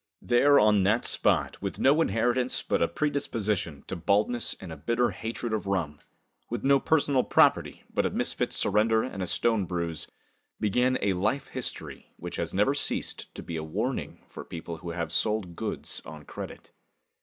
There on that spot, with no inheritance but a predisposition to baldness and a bitter hatred of rum; with no personal property but a misfit suspender and a stone bruise, began a life history which has never ceased to be a warning to people who have sold goods on credit.